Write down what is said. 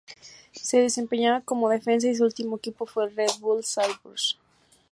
Se desempeñaba como defensa y su último equipo fue el Red Bull Salzburg.